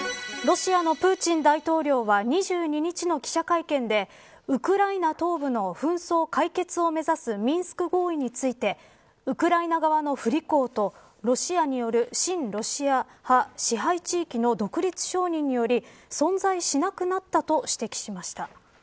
ロシアのプーチン大統領は２２日の記者会見でウクライナ東部の紛争解決を目指すミンスク合意についてウクライナ側の不履行とロシアによる親ロシア派支配地域の独立承認により存在しなくなったと指摘しました。